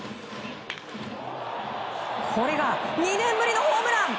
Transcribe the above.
これが２年ぶりのホームラン！